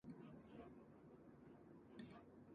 神奈川県秦野市